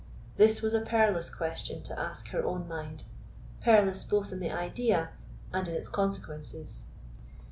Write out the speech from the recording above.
This was a perilous question to ask her own mind—perilous both in the idea and its consequences.